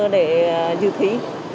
để dư thí